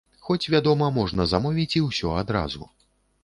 Хоць, вядома, можна замовіць і ўсё адразу.